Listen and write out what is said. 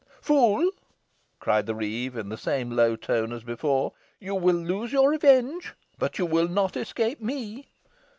"Fool!" cried the reeve, in the same low tone as before; "you will lose your revenge, but you will not escape me."